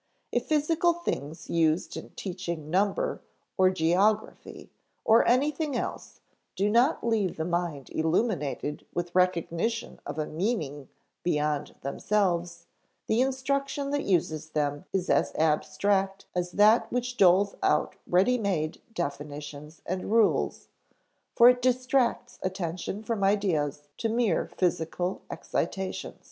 If physical things used in teaching number or geography or anything else do not leave the mind illuminated with recognition of a meaning beyond themselves, the instruction that uses them is as abstract as that which doles out ready made definitions and rules; for it distracts attention from ideas to mere physical excitations.